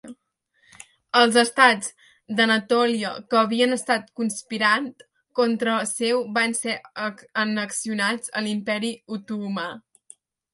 Els estats d'Anatòlia que havien estat conspirant contra seu van ser annexionats a l'Imperi Otomà.